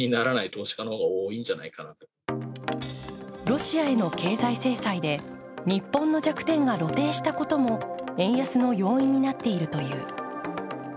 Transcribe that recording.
ロシアへの経済制裁で日本の弱点が露呈したことも円安の要因になっているという。